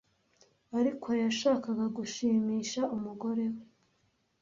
ariko yashakaga gushimisha umugore we